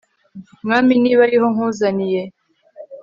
Mwami niba ariho nkuzaniye